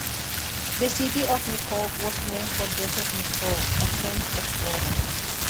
The city of Nicollet was named for Joseph Nicollet, a French explorer.